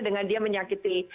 dengan dia menyakiti